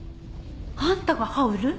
あんたがハウル？